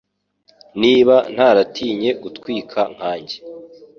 Niba ntaratinye gutwika nkanjye